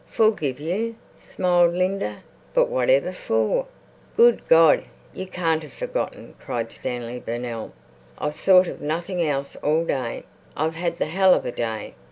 "Forgive you?" smiled Linda. "But whatever for?" "Good God! You can't have forgotten," cried Stanley Burnell. "I've thought of nothing else all day. I've had the hell of a day.